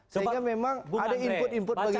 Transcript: sehingga memang ada input input bagi kami